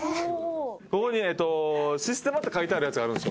ここに「システマ」って書いてあるやつがあるんすよ。